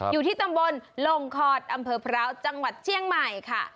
อยู่ที่ตำบลลงคอดอำเภอพร้าวจังหวัดเชียงใหม่ค่ะ